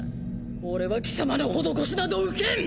俺はキサマの施しなど受けん！